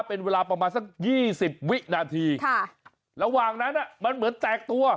เป็นเวลาประมาณสักยี่สิบวินาทีค่ะระหว่างนั้นอ่ะมันเหมือนแตกตัว